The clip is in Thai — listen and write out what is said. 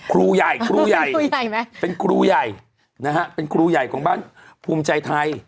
ครูใหญ่ครูใหญ่ไหมเป็นครูใหญ่นะฮะเป็นครูใหญ่ของบ้านภูมิใจไทย